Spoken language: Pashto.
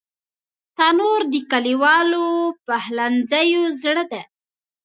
تنور د کلیوالو پخلنځیو زړه دی